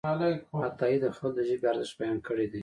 عطايي د خلکو د ژبې ارزښت بیان کړی دی.